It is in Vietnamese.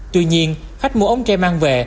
tuy nhiên khách mua ống tre mang về